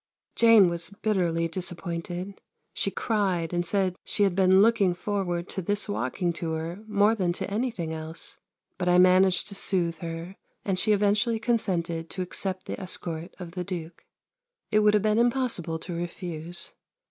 Jane was bitterly disappointed. She cried, and said she had been looking forward to this walking tour more than to anything else. But I managed to soothe her, and she eventually consented to accept the escort of the Duke. It would have been impossible to refuse.